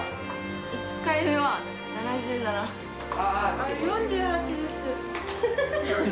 １回目は７７４８です